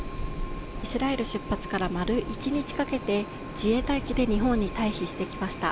イスラエル出発から丸１日かけて自衛隊機で日本に退避してきました。